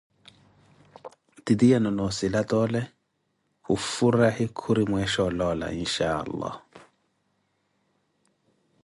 Titiyunthu nossila toole khufuraye khuri mweesha oloola Insha'Allah